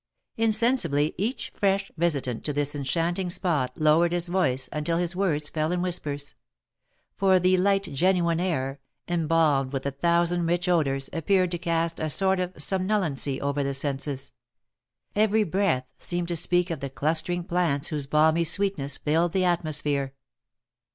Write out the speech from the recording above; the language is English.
Insensibly each fresh visitant to this enchanting spot lowered his voice until his words fell in whispers; for the light genuine air, embalmed with a thousand rich odours, appeared to cast a sort of somnolency over the senses; every breath seemed to speak of the clustering plants whose balmy sweetness filled the atmosphere.